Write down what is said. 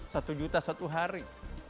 satu juta satu hari